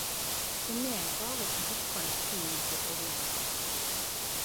For meg var ikkje hoppa i tid noko problem.